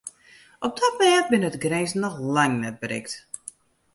Op dat mêd binne de grinzen noch lang net berikt.